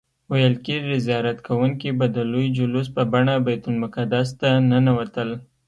ویل کیږي زیارت کوونکي به د لوی جلوس په بڼه بیت المقدس ته ننوتل.